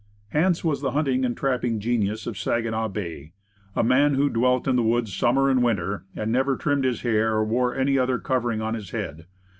Hance was the hunting and trapping genius of Saginaw Bay a man who dwelt in the woods sum mer and winter, and never trimmed his hair or wore any other covering on his head.